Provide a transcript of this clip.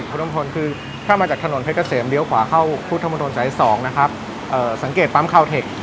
คุณน้ำทนคือถ้ามาจากถนนเพชรเกษมเลี้ยวขวาเข้าพุทธมนตรสายสองนะครับเอ่อสังเกตปั๊มคาวเทค